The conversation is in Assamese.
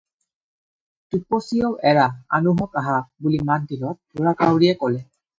"টিপচীয়েও "এৰা আনোহঁক আহাঁ" বুলি মাত দিলত ঢোঁৰাকাউৰীয়ে ক'লে।"